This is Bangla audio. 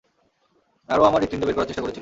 আর ও আমার হৃদপিন্ড বের করার চেষ্টা করেছিল।